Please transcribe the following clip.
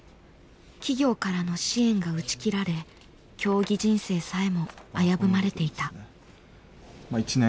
企業からの支援が打ち切られ競技人生さえも危ぶまれていた。